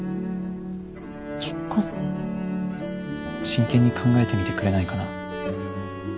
真剣に考えてみてくれないかな。